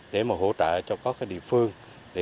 để hỗ trợ cho các địa phương